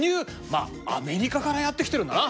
まあアメリカからやって来てるんだな。